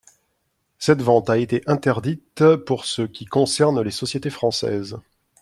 Cette vente a été interdite pour ce qui concerne les sociétés françaises.